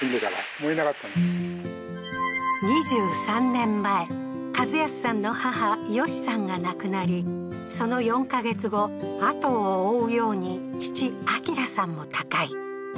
２３年前、一康さんの母ヨシさんが亡くなり、その４か月後、後を追うように、父・章さんも他界。